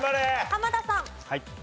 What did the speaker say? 濱田さん。